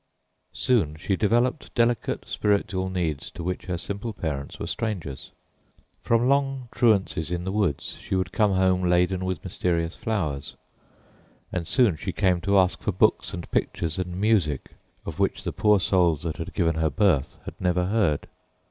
Soon she developed delicate spiritual needs to which her simple parents were strangers. From long truancies in the woods she would come home laden with mysterious flowers, and soon she came to ask for books and pictures and music, of which the poor souls that had given her birth had never heard.